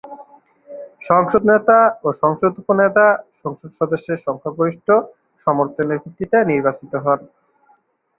সংসদ নেতা ও সংসদ উপনেতা সংসদ সদস্যদের সংখ্যাগরিষ্ঠ সমর্থনের ভিত্তিতে নির্বাচিত হন।